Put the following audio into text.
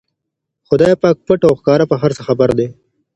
خدای پاک پټ او ښکاره په هر څه خبر دی.